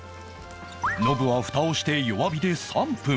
ノブは蓋をして弱火で３分